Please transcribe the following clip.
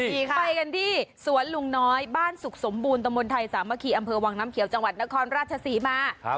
อีกไปกันที่สวนลุงน้อยบ้านสุขสมบูรณตะมนต์ไทยสามัคคีอำเภอวังน้ำเขียวจังหวัดนครราชศรีมา